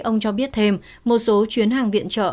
ông cho biết thêm một số chuyến hàng viện trợ